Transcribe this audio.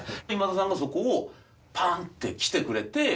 今田さんがそこをパン！ってきてくれて。